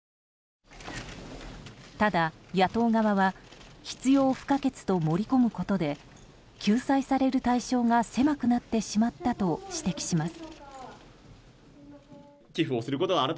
ただ野党側は必要不可欠と盛り込むことで救済される対象が狭くなってしまったと指摘します。